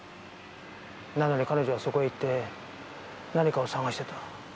なのに彼女はそこへ行って何かを探してた。